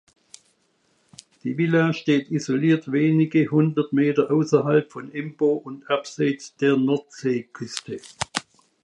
Die Villa steht isoliert wenige hundert Meter außerhalb von Embo und abseits der Nordseeküste.